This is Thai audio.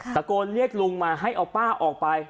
ตะโกนเรียกลุงมาให้เอาป้าออกไป